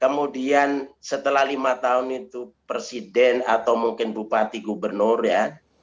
kemudian setelah lima tahun itu presiden atau mungkin bupati gubernur ya